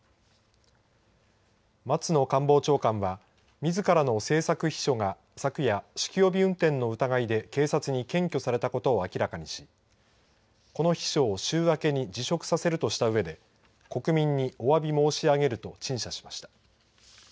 松野官房長官は、みずからの政策秘書が昨夜、酒気帯び運転の疑いで警察に検挙されたことを明らかにしこの秘書を週明けに辞職させるとした上で国民におわび申し上げると陳謝しました。